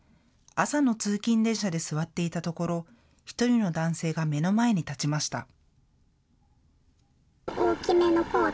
朝の通勤電車で座っていたところ１人の男性が目の前に立ちました。